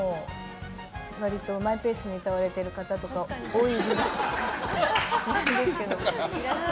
割とマイペースに歌われてる方とか多いですけど。